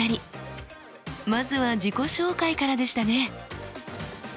まずは自己紹介からでしたね。